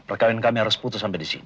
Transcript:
perkahwinan kami harus putus sampai disini